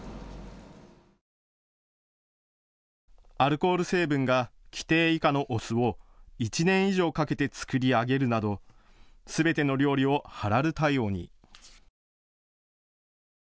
アルコール成分が規定以下のお酢を１年以上かけて造り上げるなどすべての料理をハラル対応に。